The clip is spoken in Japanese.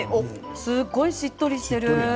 すごいしっとりしてる。